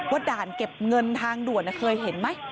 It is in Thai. ด่านเก็บเงินทางด่วนเคยเห็นไหม